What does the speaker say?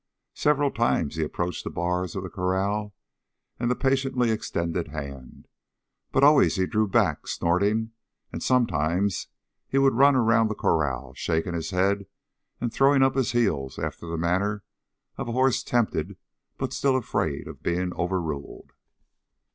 Several times he approached the bars of the corral and the patiently extended hand, but always he drew back, snorting, and sometimes he would run around the corral, shaking his head and throwing up his heels after the manner of a horse tempted but still afraid of being overruled.